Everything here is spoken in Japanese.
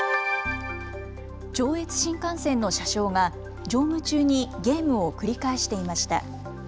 上越新幹線の車掌が乗務中にゲームを繰り返していました。